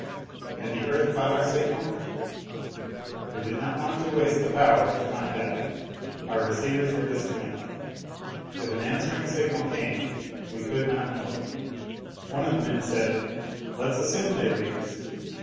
Had the Earth caught our signal? We did not want to waste the power to find out. Our receivers were disconnected. If an answering signal came, we could not know it. One of the men said: "Let's assume they read us."